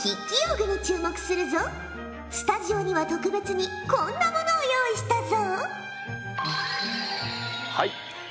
スタジオには特別にこんなものを用意したぞ。